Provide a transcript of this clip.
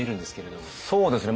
そうですね。